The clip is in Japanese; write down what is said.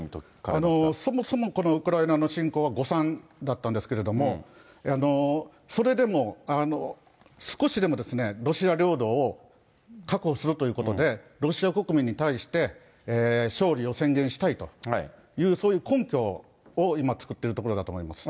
そもそもこのウクライナの侵攻は誤算だったんですけれども、それでも、少しでもロシア領土を確保するということで、ロシア国民に対して勝利を宣言したいという、そういう根拠を今、作ってるところだと思います。